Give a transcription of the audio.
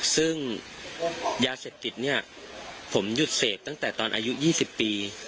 ซึ่งยาเสพติดเนี่ยผมหยุดเสพตั้งแต่ตอนอายุ๒๐ปี